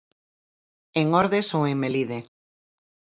En Ordes ou en Melide.